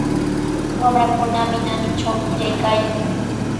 Wamrakunami naanitraw pukllaykaayan.